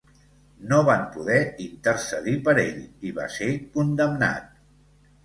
No van poder intercedir per ell i va ser condemnat.